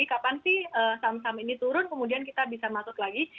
kapan sih saham saham ini turun kemudian kita bisa masuk lagi